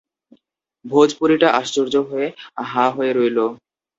ভোজপুরীটা আশ্চর্য হয়ে হাঁ করে রইল।